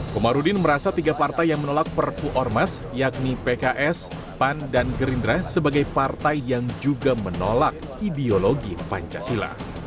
komarudin merasa tiga partai yang menolak perpu ormas yakni pks pan dan gerindra sebagai partai yang juga menolak ideologi pancasila